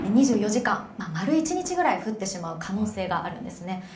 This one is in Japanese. ２４時間、丸一日ぐらい降ってしまう可能性があるんですね。